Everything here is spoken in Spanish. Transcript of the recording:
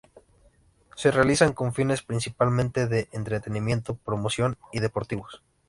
Se realizan con fines principalmente de entretenimiento, promoción y deportivos.